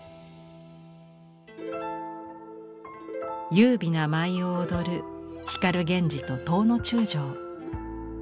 優美な舞を踊る光源氏と頭中将。